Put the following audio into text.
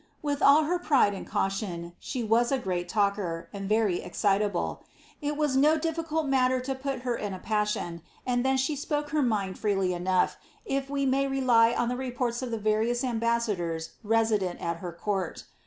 With all her pride and caution, she was a great talker, and very ex citable. Jt was no difficult matter to put her in a passion, and then she rpoke her mind freely enough, if we may rely on the reports of the rarious ambassadors resident at her court.